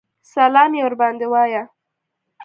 سلام یې ورباندې وایه.